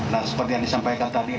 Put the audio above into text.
nah seperti yang disampaikan tadi